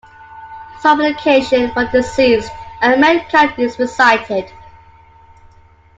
Supplication for the deceased and mankind is recited.